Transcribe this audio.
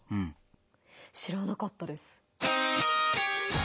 知らなかったです。